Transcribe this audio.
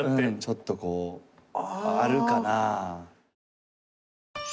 ちょっとこうあるかな。